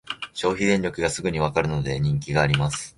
消費電力がすぐにわかるので人気があります